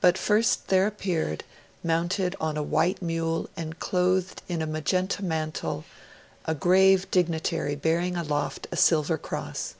But first there appeared, mounted on a white mule and clothed in a magenta mantle, a grave dignitary bearing aloft a silver cross.